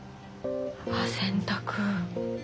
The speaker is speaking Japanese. ああ洗濯。